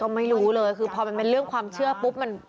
ไม่รู้เลยคือพอมันเป็นเรื่องความเชื่อปุ๊บมัน